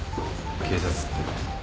警察って。